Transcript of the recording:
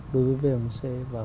đối với vmc